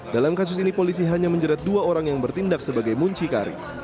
dalam kasus ini polisi hanya menjerat dua orang yang bertindak sebagai muncikari